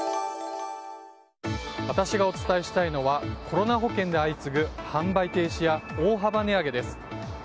私がお伝えしたいのはコロナ保険で相次ぐ販売停止や大幅値上げです。